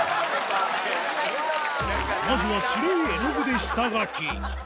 まずは白い絵の具で下描き